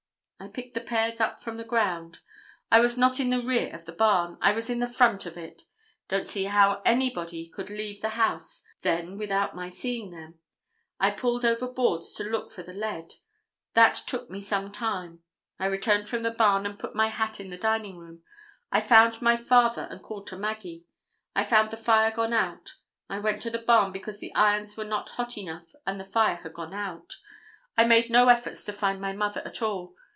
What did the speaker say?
I picked the pears up from the ground. I was not in the rear of the barn. I was in the front of it. Don't see how anybody could leave the house then without my seeing them. I pulled over boards to look for the lead. That took me some time. I returned from the barn and put my hat in the dining room. I found my father and called to Maggie. I found the fire gone out. I went to the barn because the irons were not hot enough and the fire had gone out. I made no efforts to find my mother at all.